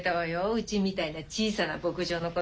うちみたいな小さな牧場のこと。